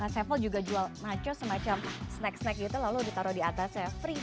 sevel juga jual nacho semacam snack snack gitu lalu ditaruh di atasnya free